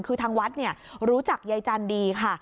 คือทางวัดรู้จักยายจันทร์ดีค่ะ